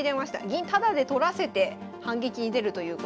銀タダで取らせて反撃に出るということで。